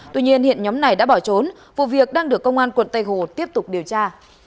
tuy nhiên hiện nhóm này đã bỏ trốn vụ việc đang được công an quận tây hồ tiếp tục điều tra